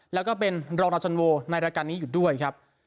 แล้วก็เป็นรองราชันโวในรายการนี้อยู่ด้วยครับ